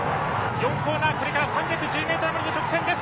４コーナー、これから３１０メートルの直線です。